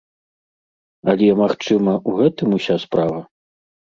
Але, магчыма, у гэтым уся справа?